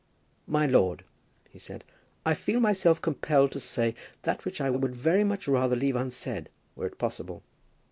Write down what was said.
"My lord," he said, "I feel myself compelled to say that which I would very much rather leave unsaid, were it possible.